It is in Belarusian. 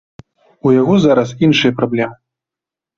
У яго зараз іншыя праблемы.